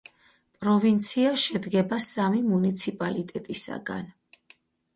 პროვინცია შედგება სამი მუნიციპალიტეტისაგან.